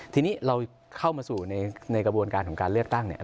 ทีนี้เราเข้ามาสู่ในกระบวนการของการเลือกตั้งเนี่ย